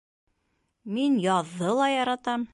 Мин яҙҙы ла яратам